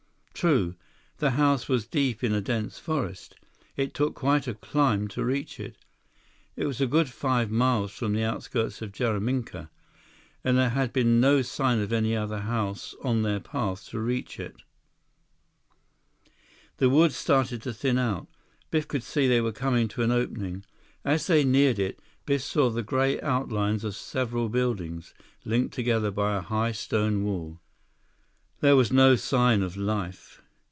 True, the house was deep in a dense forest. It took quite a climb to reach it. It was a good five miles from the outskirts of Jaraminka, and there had been no sign of any other house on their path to reach it. The woods started to thin out. Biff could see they were coming to an opening. As they neared it, Biff saw the gray outlines of several buildings, linked together by a high stone wall. There was no sign of life.